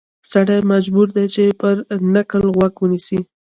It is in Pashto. سړی مجبور دی چې پر نکل غوږ ونیسي.